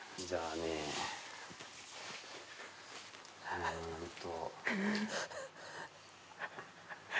うんと。